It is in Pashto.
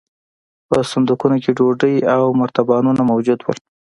په صندوقونو کې ډوډۍ او مرتبانونه موجود وو